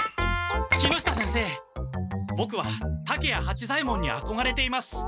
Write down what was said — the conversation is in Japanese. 木下先生ボクは竹谷八左ヱ門にあこがれています。